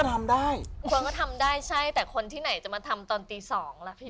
คุณก็ทำได้คุณก็ทำได้ใช่แต่คนที่ไหนจะมาทำตอนตี๒แล้ว